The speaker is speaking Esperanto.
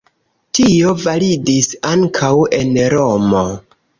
Tio validis ankaŭ en Romo.